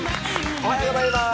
おはようございます。